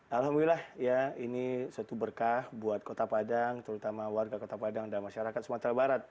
alhamdulillah ya ini suatu berkah buat kota padang terutama warga kota padang dan masyarakat sumatera barat